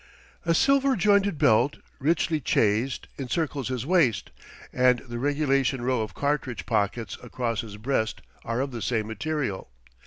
A silver jointed belt, richly chased, encircles his waist, and the regulation row of cartridge pockets across his breast are of the same material.